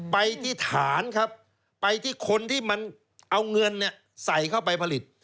ไปที่ฐานครับไปที่คนที่มันเอาเงินใส่เข้าไปผลิต